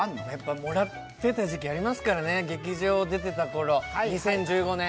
もらってた時期ありますからね、劇場出てたころ、２０１５年。